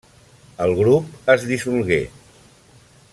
El grup es dissolgué.